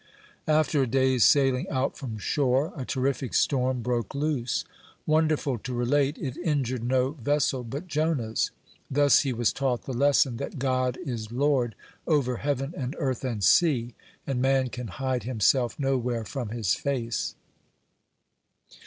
After a day's sailing out from shore, a terrific storm (28) broke loose. Wonderful to relate, it injured no vessel but Jonah's. Thus he was taught the lesson that God is Lord over heaven and earth and sea, and man can hide himself nowhere from His face.